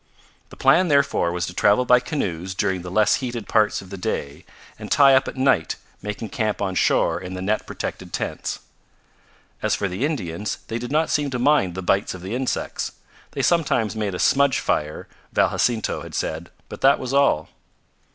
The plan, therefore, was to travel by canoes during the less heated parts of the day, and tie up at night, making camp on shore in the net protected tents. As for the Indians, they did not seem to mind the bites of the insects. They sometimes made a smudge fire, Val Jacinto had said, but that was all.